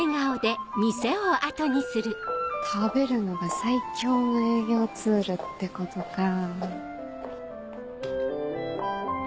食べるのが最強の営業ツールってことか。